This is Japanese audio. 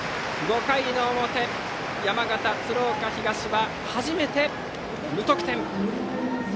５回表、山形・鶴岡東は初めて無得点。